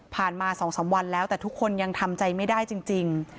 มา๒๓วันแล้วแต่ทุกคนยังทำใจไม่ได้จริง